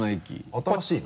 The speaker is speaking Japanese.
新しいの？